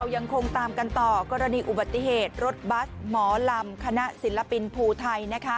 ยังคงตามกันต่อกรณีอุบัติเหตุรถบัสหมอลำคณะศิลปินภูไทย